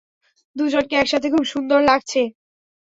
দুজনকে একসাথে খুব সুন্দর লাগছে।